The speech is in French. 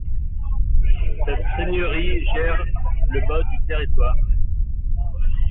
Cette seigneurie gère le bas du territoire.